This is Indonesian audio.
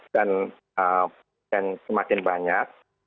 dan semakin banyak